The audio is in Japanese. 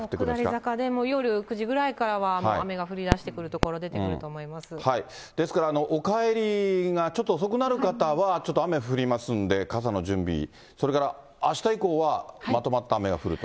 下り坂で、もう夜９時ぐらいからは雨が降りだしてくる所、出てくると思いまですからお帰りがちょっと遅くなる方は、ちょっと雨降りますんで、傘の準備、それからあした以降はまとまった雨が降ると。